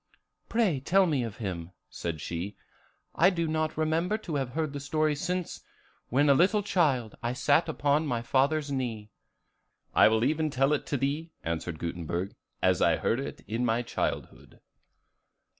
"Pray tell me of him," said she; "I do not remember to have heard the story since, when a little child, I sat upon my father's knee." "I will even tell it to thee," answered Gutenberg, "as I heard it in my childhood.